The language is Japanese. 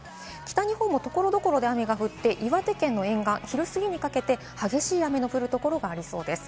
北日本も所々で雨が降って、岩手県の沿岸、昼すぎにかけて激しい雨の降るところがありそうです。